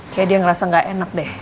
kayak dia ngerasa gak enak deh